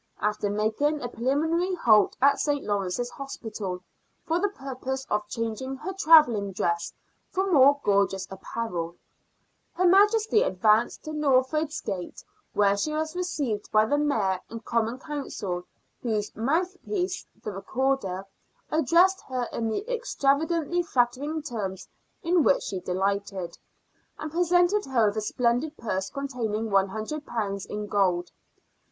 After making a preliminary halt at St. Lawrence's Hospital for the purpose of changing her travelling dress for more gorgeous apparel, her Majesty advanced to Lawford's Gate, where she was received by the Mayor and Common Council, whose mouthpiece, the Recorder, addressed her in the extravagantly flattering terms in which she delighted, and presented her with a splendid purse containing ;^ioo in gold.